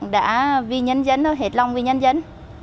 đã vì nhân dân hết lòng vì nhân dân